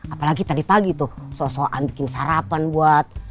apalagi tadi pagi tuh so soan bikin sarapan buat